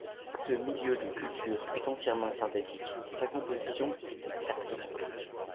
Ce milieu de culture est entièrement synthétique, sa composition est exactement connue.